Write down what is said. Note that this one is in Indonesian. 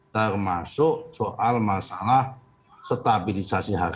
termasuk soal masalah stabilisasi harga